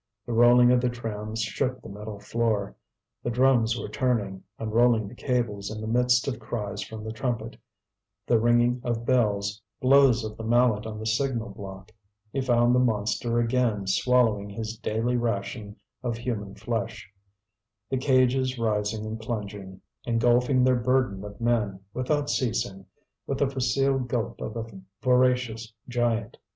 The rolling of the trams shook the metal floor, the drums were turning, unrolling the cables in the midst of cries from the trumpet, the ringing of bells, blows of the mallet on the signal block; he found the monster again swallowing his daily ration of human flesh, the cages rising and plunging, engulfing their burden of men, without ceasing, with the facile gulp of a voracious giant.